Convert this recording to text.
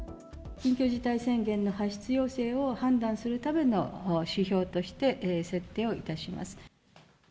緊急事態宣言の発出要請を判断するための指標として設定をいたします。